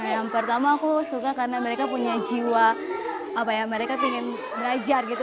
yang pertama aku suka karena mereka punya jiwa apa ya mereka ingin belajar gitu